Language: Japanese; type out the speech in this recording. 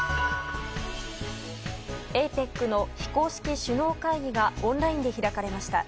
ＡＰＥＣの非公式首脳会議がオンラインで開かれました。